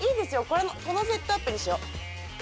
このセットアップにしよう。